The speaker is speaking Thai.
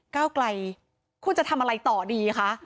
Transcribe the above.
ก้าวไกลคุณจะทำอะไรต่อดีคะ